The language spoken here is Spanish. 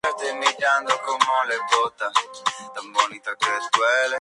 Flores amarillo-verdosas.